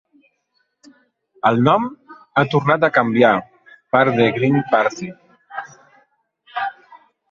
El nom ha tornat a canviar per The Green Party.